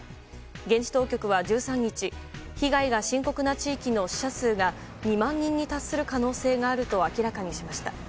現地当局は１３日被害が深刻な地域の死者数が２万人に達する可能性があると明らかにしました。